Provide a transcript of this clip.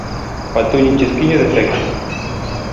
Faltoulle un chisquiño de efecto.